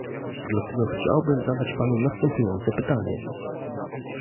Dlatego chciałbym zadać Panu następujące pytanie